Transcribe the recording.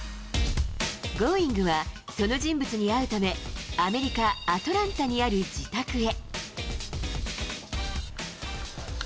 Ｇｏｉｎｇ！は、その人物に会うため、アメリカ・アトランタにある自宅へ。